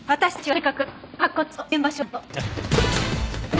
はい。